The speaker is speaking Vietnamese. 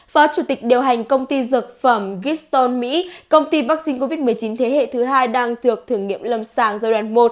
phó chủ tịch điều hành công ty dược phẩm giston mỹ công ty vaccine covid một mươi chín thế hệ thứ hai đang được thử nghiệm lâm sàng giai đoạn một